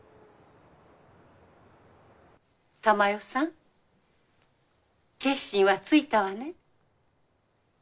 珠世さん決心はついたわね？